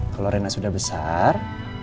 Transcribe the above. kalau rena sudah besar